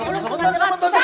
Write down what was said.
peluk peluk peluk